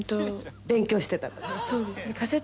「そうですね」